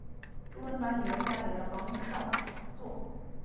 朱温把女儿嫁给了王昭祚。